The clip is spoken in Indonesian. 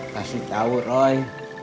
kasih tau roy